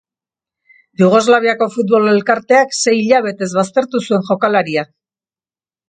Jugoslaviako Futbol Elkarteak sei hilabetez baztertu zuen jokalaria.